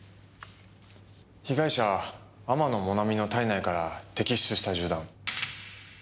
被害者天野もなみの体内から摘出した銃弾。